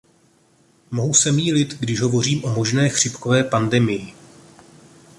Mohu se mýlit, když hovořím o možné chřipkové pandemii.